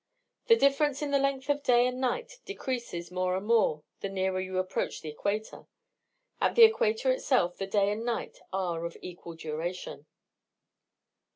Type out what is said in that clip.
The difference in the length of day and night decreases more and more the nearer you approach the Equator. At the Equator itself the day and night are of equal duration.